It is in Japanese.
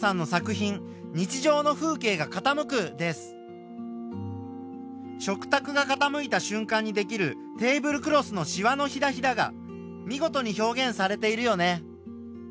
こちらが食たくが傾いたしゅん間にできるテーブルクロスのしわのひだひだが見事に表現されているよね。